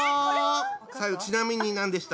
最後ちなみに何でした？